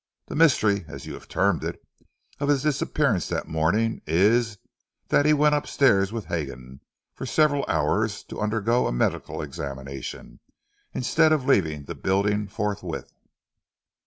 The mystery, as you have termed it, of his disappearance that morning, is that he went upstairs with Hagon for several hours to undergo a medical examination, instead of leaving the building forthwith."